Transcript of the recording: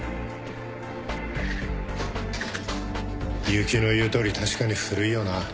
悠木の言うとおり確かに古いよな